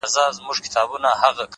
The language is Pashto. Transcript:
د رڼاگانو شيسمحل کي به دي ياده لرم”